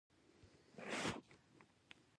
په یوه کوټه کې چا سره د اوسېدلو چلند.